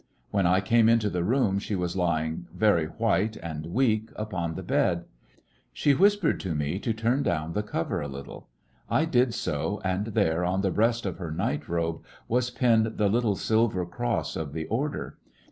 When I came into the room, she was lying, very white and weak, upon the bed. She whispered to me to turn down the cover a little. I did so, and there, on the breast of her night robe, was pinned the little silver cross of the order.